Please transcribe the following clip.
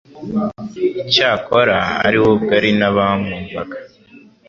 Cyakora ari we ubwe ari n’abamwumvaga